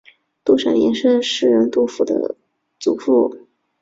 杜审言是诗人杜甫的祖父。